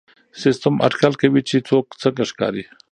سیسټم اټکل کوي چې څوک څنګه ښکاري.